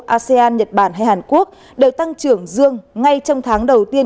asean nhật bản hay hàn quốc đều tăng trưởng dương ngay trong tháng đầu tiên